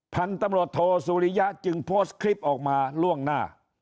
พันธุ์ตำรวจโทสุริยะจึงโพสต์คลิปออกมาล่วงหน้า